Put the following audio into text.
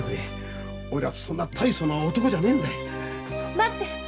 待って！